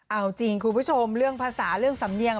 เอาจริงคุณผู้ชมเรื่องภาษาเรื่องสำเนียง